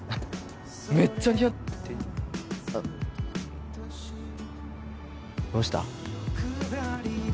めっちゃ似合ってあどうした？